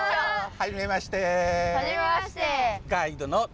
はじめまして。